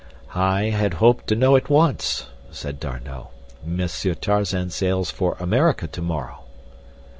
"I had hoped to know at once," said D'Arnot. "Monsieur Tarzan sails for America tomorrow."